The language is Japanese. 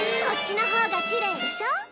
こっちのほうがきれいでしょ？